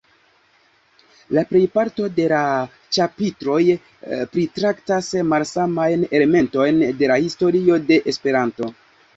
La plejparto de la ĉapitroj pritraktas malsamajn elementojn de la historio de Esperanto.